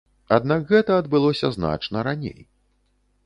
Аднак гэта адбылося значна раней.